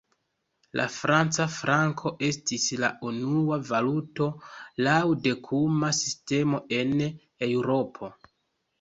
La franca franko estis la unua valuto laŭ dekuma sistemo en Eŭropo.